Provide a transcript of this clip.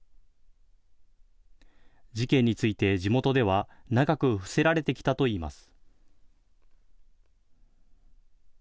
事件について地元では長く伏せられてきたといいます。